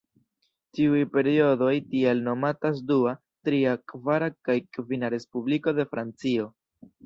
Tiuj periodoj tial nomatas Dua, Tria, Kvara kaj Kvina Respubliko de Francio.